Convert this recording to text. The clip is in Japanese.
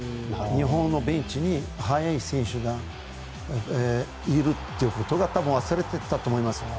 日本のベンチに速い選手がいるっていうことが多分忘れていたと思いますね。